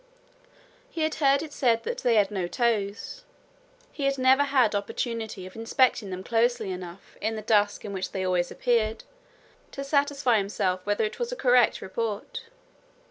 He had heard it said that they had no toes: he had never had opportunity of inspecting them closely enough, in the dusk in which they always appeared, to satisfy himself whether it was a correct report.